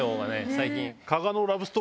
最近。